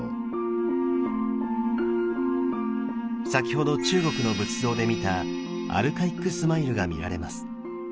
先ほど中国の仏像で見たアルカイックスマイルが見られます。